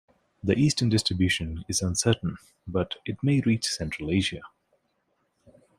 The eastern distribution is uncertain but it may reach central Asia.